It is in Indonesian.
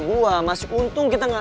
gua masih untung kita nggak